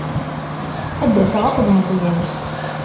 Ad d-aseɣ akked Meẓyan.